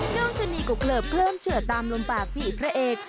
น้องชนีก็เกลือบเขิ่มเฉื่อตามลมปากภีรประเอก